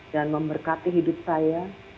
dan memberkati hidup saya